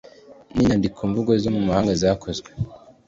n inyandikomvaho zo mu mahanga zakozwe